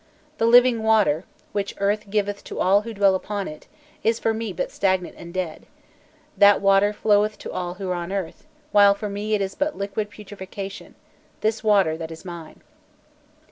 The living water, which earth giveth to all who dwell upon it, is for me but stagnant and dead; that water floweth to all who are on earth, while for me it is but liquid putrefaction, this water that is mine.